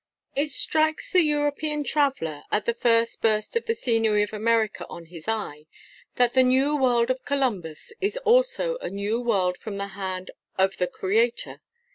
It strikes the European traveller, at the first burst of the scenery of America on his eye, that the New World of Columbus is also a new world from the hand of the Creator.